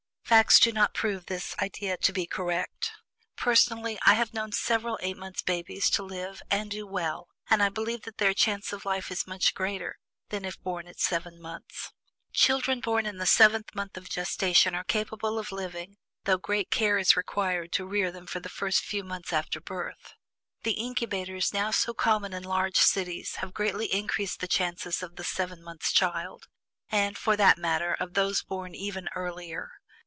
Facts do not prove this idea to be correct. Personally, I have known several eight months' babies to live and do well, and I believe that their chance of life is much greater than if born at seven months." Children born in the seventh month of gestation are capable of living, though great care is required to rear them for the first few months after birth. The "incubators" now so common in large cities have greatly increased the chances of the "seven months' child," and, for that matter, of those born even earlier.